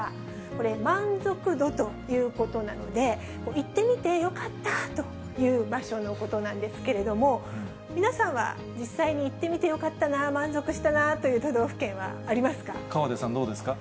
これ、満足度ということなので、行ってみてよかったという場所のことなんですけれども、皆さんは、実際に行ってみてよかったなぁ、満足したなぁという都道府県はあ河出さん、どうですか？